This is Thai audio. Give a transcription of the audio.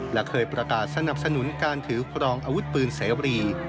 และเคยประกาศสนับสนุนการถือครองอาวุธปืนเสวรี